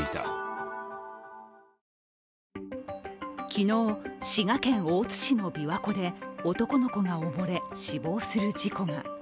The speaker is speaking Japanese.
昨日、滋賀県大津市のびわ湖で男の子が溺れ、死亡する事故が。